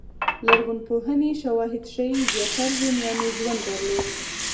لرغونپوهنې شواهد ښيي زیاتره رومیانو ژوند درلود